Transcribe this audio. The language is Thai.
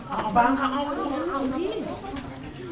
เอาบางค่ะเอาเนอะ